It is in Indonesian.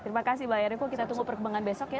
terima kasih pak yeriko kita tunggu perkembangan besok ya